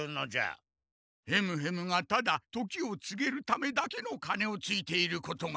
ヘムヘムがただ時をつげるためだけの鐘をついていることが。